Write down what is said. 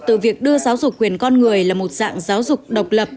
từ việc đưa giáo dục quyền con người là một dạng giáo dục độc lập